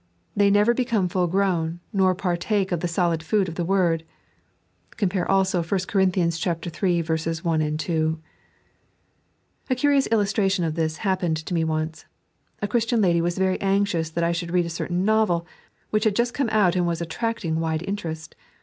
They never become full grown, nor partake of the solid food of the Word (compare also 1 Oor. iii. 1, 2). A curious illustration of this happened to me once. A Christian lady was very anxious that I should read a certain novel, which had just come out and was attracting wide interest.